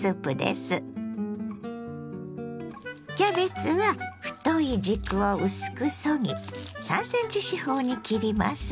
キャベツは太い軸を薄くそぎ３ｃｍ四方に切ります。